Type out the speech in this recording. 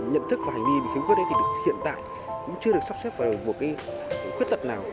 nhận thức và hành vi bị khiến khuyết đấy thì hiện tại cũng chưa được sắp xếp vào được một cái khuyết tật nào